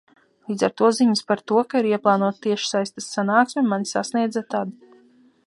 Līdz ar to ziņas par to, ka ir ieplānota tiešsaistes sanāksme, mani sasniedza tad.